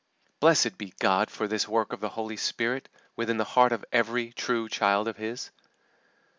Blessed be God for this work of the Holy Spirit within the heart of every true child of His!